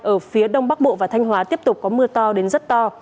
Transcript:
ở phía đông bắc bộ và thanh hóa tiếp tục có mưa to đến rất to